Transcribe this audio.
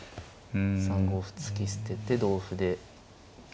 ３五歩突き捨てて同歩で。